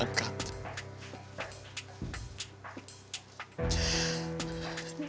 aku sudah menang